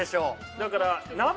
だから。